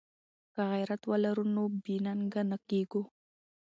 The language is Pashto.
که غیرت ولرو نو بې ننګه نه کیږو.